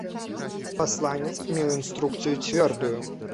Пасланец меў інструкцыю цвёрдую.